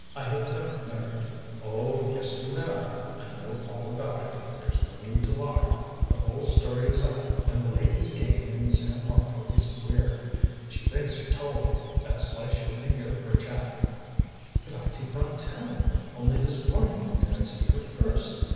I have never married." "Oh, yes, you have. I know all about it. There's no need to lie. The whole story is out, and the lady's game in San Marco is queered. She thinks you told. That's why she'll be here for a chat." "But I did not tell. Only this morning did I see her first.